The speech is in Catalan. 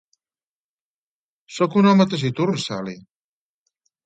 Sóc un home taciturn, Sally.